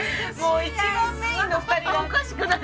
一番メインの２人がおかしくなっちゃった。